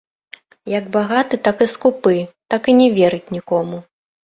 Як багаты, так і скупы, так і не верыць нікому.